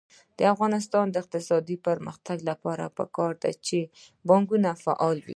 د افغانستان د اقتصادي پرمختګ لپاره پکار ده چې بانکونه فعال وي.